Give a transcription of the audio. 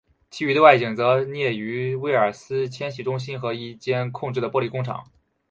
其余的外景则摄于威尔斯千禧中心和一间空置的玻璃工厂。